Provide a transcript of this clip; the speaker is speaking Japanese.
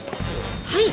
はい。